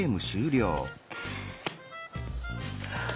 はあ。